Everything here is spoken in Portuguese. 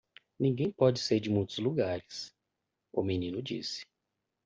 "Ninguém pode ser de muitos lugares?" o menino disse.